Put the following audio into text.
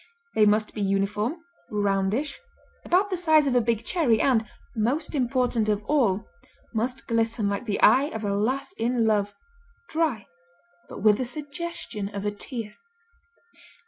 They must be uniform, roundish, about the size of a big cherry and, most important of all, must glisten like the eye of a lass in love, dry but with the suggestion of a tear.